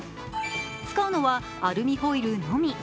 使うのはアルミホイルのみ。